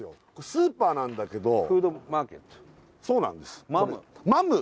スーパーなんだけど「フードマーケット」そうなんですマム